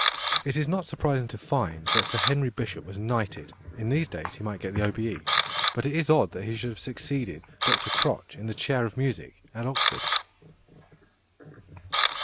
It is not surprising to find that Sir Henry Bishop was knighted (in these days he might get the O.B.E.); but it is odd that he should have succeeded Dr Crotch in the chair of music at Oxford.